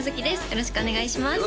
よろしくお願いします